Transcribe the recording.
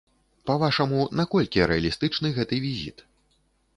Па-вашаму, наколькі рэалістычны гэты візіт?